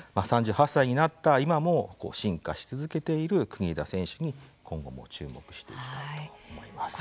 ３８歳になった今も進化し続けている国枝選手に今後も注目していきたいと思います。